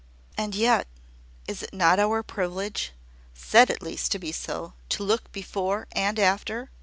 "And yet, is it not our privilege said at least to be so to look before and after?